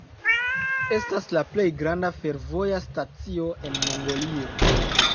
Estas la plej granda fervoja stacio en Mongolio.